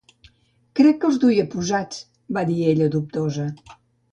"Crec que els duia posats", va dir ella, dubtosa.